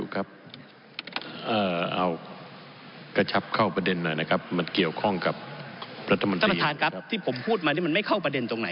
เข้าประเด็นตรงไหนครับ